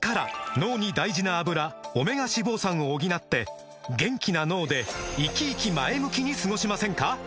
脳に大事な「アブラ」オメガ脂肪酸を補って元気な脳でイキイキ前向きに過ごしませんか？